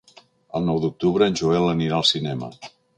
El nou d'octubre en Joel anirà al cinema.